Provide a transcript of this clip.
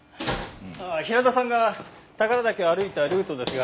平田さんが宝良岳を歩いたルートですが。